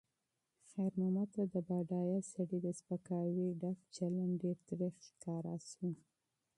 خیر محمد ته د بډایه سړي د سپکاوي ډک چلند ډېر تریخ ښکاره شو.